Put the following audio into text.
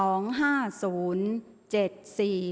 ออกรางวัลที่๖